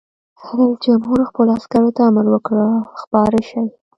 رئیس جمهور خپلو عسکرو ته امر وکړ؛ خپاره شئ!